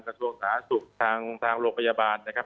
กระโทษศาสตร์สุขทางโรงพยาบาลนะครับ